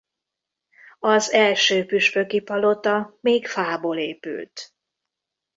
Az első püspöki palota még fából épült.